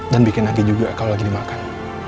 dan bikin agih juga kalo lagi dimakan